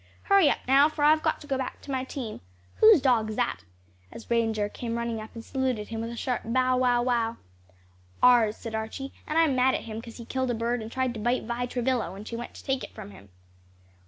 "Hurry up now, for I've got to go back to my team. Whose dog's that?" as Ranger came running up and saluted him with a sharp, "Bow, wow, wow!" "Ours," said Archie, "and I'm mad at him 'cause he killed a bird and tried to bite Vi Travilla, when she went to take it from him."